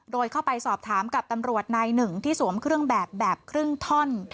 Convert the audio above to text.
โดยเข้าไปสอบถามกับตำรวจนายหนึ่งที่สวมเครื่องแบบแบบครึ่งท่อน